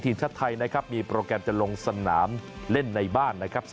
ทีมชาติไทยนะครับมีโปรแกรมจะลงสนามเล่นในบ้านนะครับ